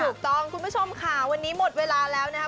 ถูกต้องคุณผู้ชมค่ะวันนี้หมดเวลาแล้วนะครับ